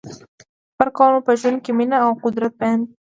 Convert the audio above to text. سفر کول مو په ژوند کې مینه او قدرت بېرته راوړي.